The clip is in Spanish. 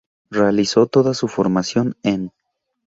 Realizó toda su formación en.